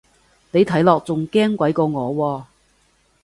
你睇落仲驚鬼過我喎